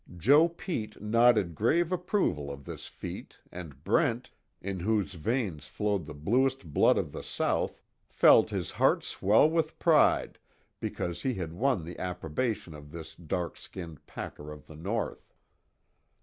Joe Pete nodded grave approval of this feat and Brent, in whose veins flowed the bluest blood of the South, felt his heart swell with pride because he had won the approbation of this dark skinned packer of the North.